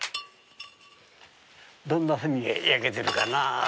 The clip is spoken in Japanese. どんな炭が焼けてるかな？